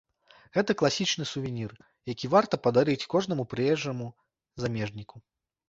Гэта класічны сувенір, які варта падарыць кожнаму прыезджаму замежніку.